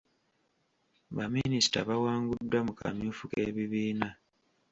Baminisita bawanguddwa mu kamyufu k'ebibiina.